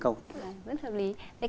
rất hợp lý